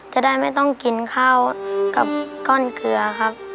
จะได้ไม่ต้องกินข้าวกับก้อนเกลือครับ